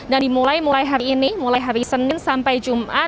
dan dimulai mulai hari ini mulai hari senin sampai jumat